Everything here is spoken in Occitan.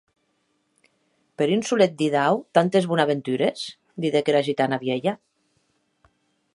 Per un solet didau tantes bonaventures?, didec era gitana vielha.